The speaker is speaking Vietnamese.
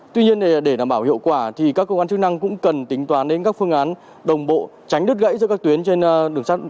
tuy nhiên để đảm bảo hiệu quả thì các cơ quan chức năng cũng cần tính toán đến các phương án đồng bộ tránh đứt gãy giữa các tuyến trên đường sắt